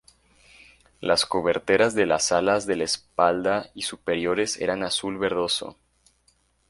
Las coberteras de las alas de la espalda y superiores eran azul verdoso.